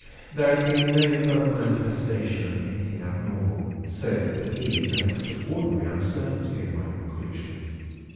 There has been no further manifestation of anything abnormal; so that there is an extraordinary uncertainty in my conclusions.